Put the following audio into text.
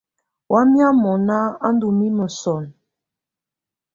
Wamɛ̀́á mɔ̀na á ndù mimǝ́ sɔnɔ̀.